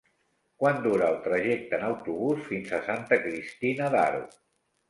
Quant dura el trajecte en autobús fins a Santa Cristina d'Aro?